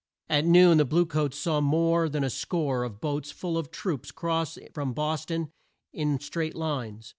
At noon the blue coats saw more than a score of boats full of troops cross from Bos ton in straight lines.